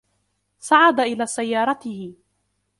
صعد إلى سيارته.